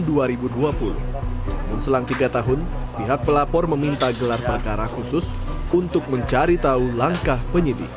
namun selang tiga tahun pihak pelapor meminta gelar perkara khusus untuk mencari tahu langkah penyidik